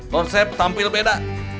konsep tampil beda